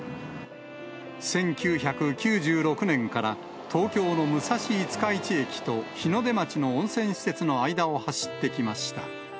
１９９６年から、東京の武蔵五日市駅と日の出町の温泉施設の間を走ってきました。